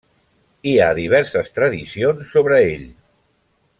Hi ha diverses tradicions sobre ell.